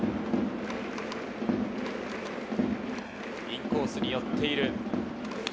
インコースに寄っている。